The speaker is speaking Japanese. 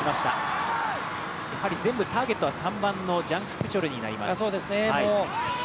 全部ターゲットは３番のジャン・ククチョルになります。